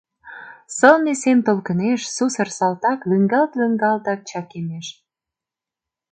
Сылне сем толкынеш сусыр салтак лӱҥгалт-лӱҥгалтак чакемеш.